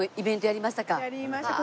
やりました。